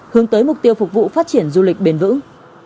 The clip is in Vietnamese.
hướng tới mục tiêu phục vụ phát triển du lịch bền vững